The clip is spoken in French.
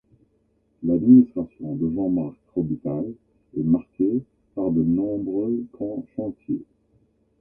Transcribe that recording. L'administration de Jean-Marc Robitaille est marquée par de nombreux grands chantiers.